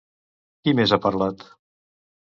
Qui més ha parlat?